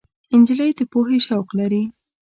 نجلۍ د پوهې شوق لري.